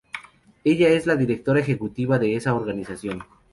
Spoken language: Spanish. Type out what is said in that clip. Ella es la directora ejecutiva de esa organización.